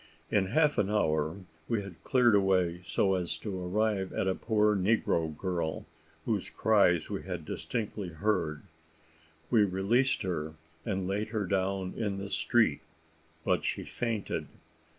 In half an hour we had cleared away so as to arrive at a poor negro girl, whose cries we had distinctly heard. We released her, and laid her down in the street, but she fainted.